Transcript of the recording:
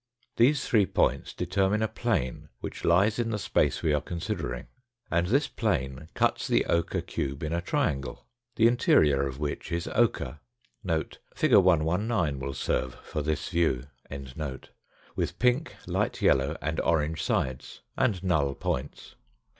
These three points determine a plane which lies in the space we are considering, and this plane cuts the ochre cube in a triangle, the interior of which is ochre (fig. 119 will serve for this view), with pink, light yellow and orange sides, and null points.